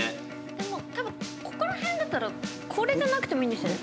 でも多分ここら辺だったらこれじゃなくてもいいんですよね？